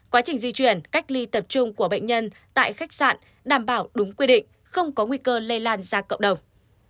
quá trình di chuyển cách ly tập trung của bệnh nhân tại khách sạn đảm bảo đúng quy định không có nguy cơ lây lan ra cộng đồng